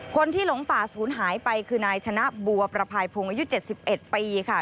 คนที่หลงป่าศูนย์หายไปคือนายชนะบัวประพายพงศ์อายุ๗๑ปีค่ะ